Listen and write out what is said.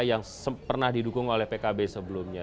yang pernah didukung oleh pkb sebelumnya